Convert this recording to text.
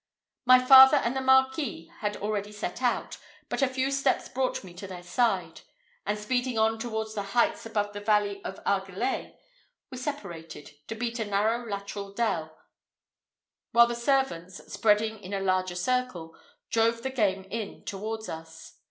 My father and the Marquis had already set out, but a few steps brought me to their side; and, speeding on towards the heights above the valley of Argelez, we separated, to beat a narrow lateral dell, while the servants, spreading in a larger circle, drove the game in towards us.